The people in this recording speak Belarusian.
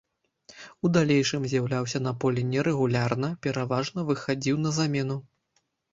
У далейшым з'яўляўся на полі нерэгулярна, пераважна выхадзіў на замену.